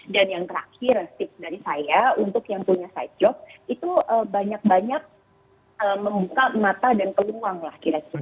yang terakhir tips dari saya untuk yang punya side job itu banyak banyak membuka mata dan peluang lah kira kira